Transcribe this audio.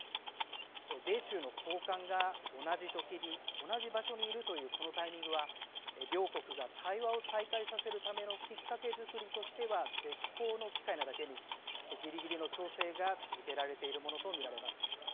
米中の高官が同じ時に同じ場所にいるというこのタイミングは両国が対話を再開させるためのきっかけづくりとしては絶好の機会なだけにぎりぎりの調整が続けられているものと見られます。